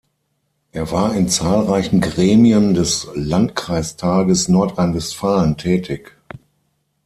Er war in zahlreichen Gremien des Landkreistages Nordrhein-Westfalen tätig.